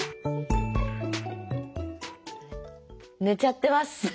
寝ちゃってます。